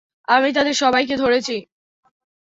আমি তাদের সবাইকে ধরেছি।